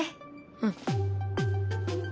うん。